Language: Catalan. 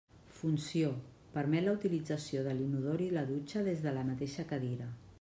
Funció: permet la utilització de l'inodor i la dutxa des de la mateixa cadira.